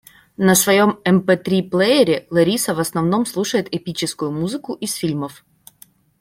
На своём МП-три-плеере Лариса в основном слушает эпическую музыку из фильмов.